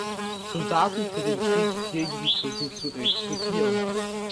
Soldaten für den Krieg gegen die Türken zu rekrutieren.